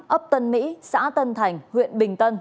ấp tân mỹ xã tân thành huyện bình tân